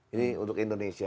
ini untuk indonesia